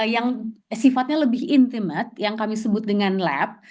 yang sifatnya lebih intimate yang kami sebut dengan lab